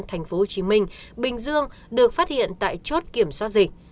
tp hcm bình dương được phát hiện tại chốt kiểm soát dịch